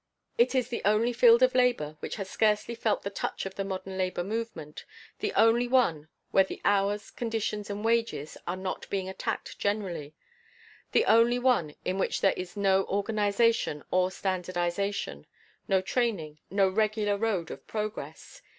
It is the only field of labor which has scarcely felt the touch of the modern labor movement; the only one where the hours, conditions, and wages are not being attacked generally; the only one in which there is no organization or standardization, no training, no regular road of progress.